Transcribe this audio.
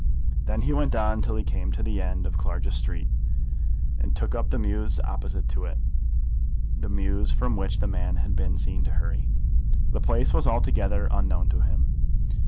Then he went on till he came to the end of Clarges Street, and looked up the mews opposite to it, the mews from which the man had been seen to hurry. The place was altogether unknown to him.